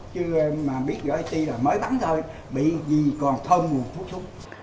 chứ mà biết vỏ it là mới bắn thôi bị gì còn thông nguồn thuốc súng